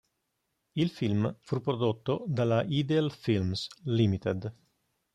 Il film fu prodotto dalla Ideal Films, Limited.